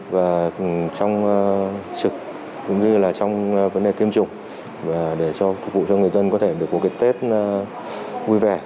và trong trực cũng như là trong vấn đề kiêm chủng và để cho phục vụ cho người dân có thể có cái tết vui vẻ